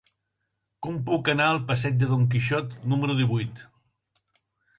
Com puc anar al passeig de Don Quixot número divuit?